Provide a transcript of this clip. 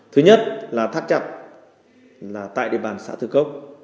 thứ nhất là thắt chặt tại địa bàn xã thường cốc